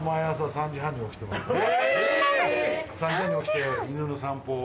３時半に起きて犬の散歩を。